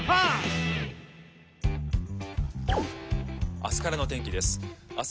「明日からの天気です。